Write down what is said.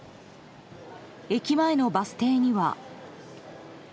駅前のバス停には。